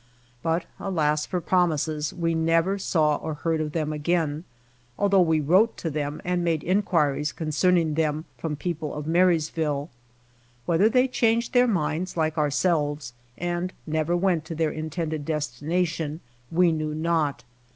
But alas for promises, we never saw or heard of them again, although we wrote to them and made enquiries concerning them from people of Marysville. Whether they changed their minds, like ourselves, and never went to their intended destination, we knew not.